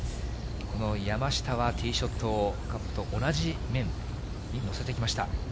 この山下は、ティーショットをカップと同じ面に乗せてきました。